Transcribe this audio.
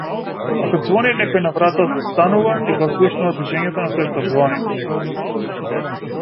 Ако ѕвони некој на врата застанува и го ослушнува дишењето на тој што ѕвони.